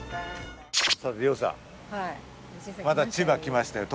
さて羊さんまた千葉来ましたよ